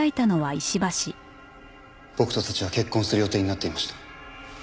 僕と早智は結婚する予定になっていました。